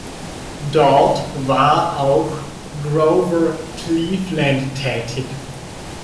Dort war auch Grover Cleveland tätig.